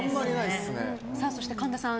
そして、神田さん